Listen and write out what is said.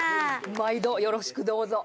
毎度よろしくどうぞ。